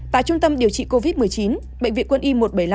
tại trung tâm điều trị covid một mươi chín bệnh viện quân y một trăm bảy mươi năm